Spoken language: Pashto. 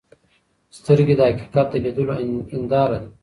سترګې د حقیقت د لیدلو هنداره ده.